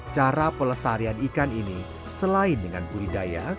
cara pelestarian ikan ini selain dengan budidaya